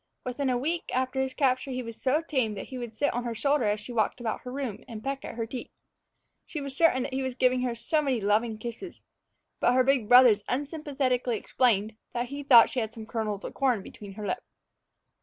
Within a week after his capture he was so tame that he would sit on her shoulder as she walked about her room and peck at her teeth. She was certain that he was giving her so many loving kisses; but her big brothers unsympathetically explained that he thought she had some kernels of corn between her lips.